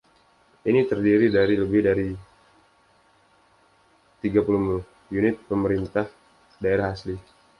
Ini terdiri dari lebih dari tiga puluh unit pemerintah daerah asli.